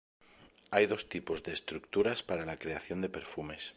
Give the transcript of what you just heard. Hay dos tipos de estructuras para la creación de perfumes.